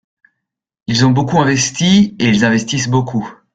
Ils ont beaucoup investi et ils investissent beaucoup.